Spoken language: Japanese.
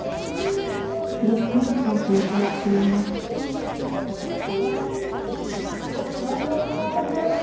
ゆっくりと成長しています。